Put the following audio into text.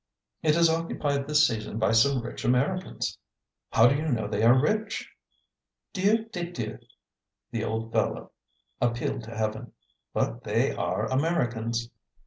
"It is occupied this season by some rich Americans." "How do you know they are rich?" "Dieu de Dieu!" The old fellow appealed to heaven. "But they are Americans!"